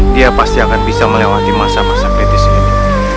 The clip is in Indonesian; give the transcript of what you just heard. dia pasti akan bisa melewati masa masa kritis ini